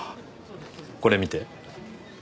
これ見て。